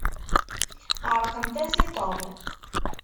Ɛeṛqent-as i Tom.